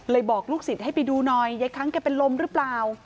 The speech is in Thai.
บอกลูกศิษย์ให้ไปดูหน่อยยายค้างแกเป็นลมหรือเปล่า